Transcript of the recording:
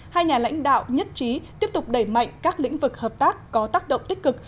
hai nhà lãnh đạo nhất trí tiếp tục đẩy mạnh các lĩnh vực hợp tác có tác động tích cực